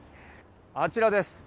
あちらです。